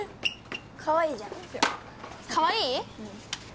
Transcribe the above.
かわいいじゃんかわいい？